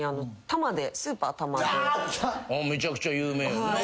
めちゃくちゃ有名やんな。